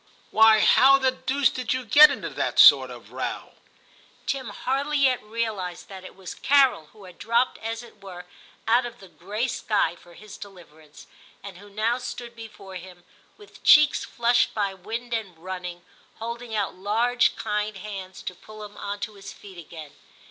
Why, how the deuce did you get into this sort of row ?' Tim hardly yet realised that it was Carol who had dropped, as it were, out of the gray sky for his deliverance, and who now stood 136 TIM CHAP. before him, with cheeks flushed by wind and running, holding out large kind hands to pull him on to his feet again.